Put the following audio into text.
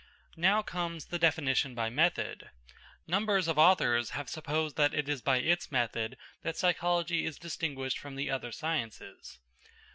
Now comes the definition by method. Numbers of authors have supposed that it is by its method that psychology is distinguished from the other sciences.